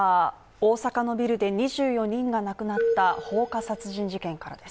大阪のビルで２４人が亡くなった放火殺人事件からです